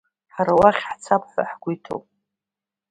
Ҳара уахь ҳцап ҳәа ҳгәы иҭоуп.